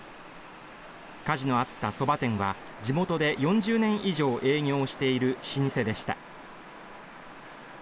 火事のあったそば店は地元で４０年以上営業している老舗でした。